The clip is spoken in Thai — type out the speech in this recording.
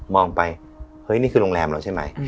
ไปเฮ้ยนี่คือโรงแรมเราใช่ไหม